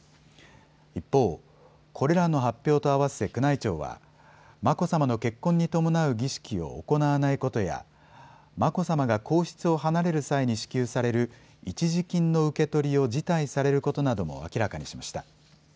一方、これらの発表とあわせ宮内庁は眞子さまの結婚に伴う儀式を行わないことや眞子さまが皇室を離れる際に支給される一時金の受け取りを辞退されることなども明らかにしました。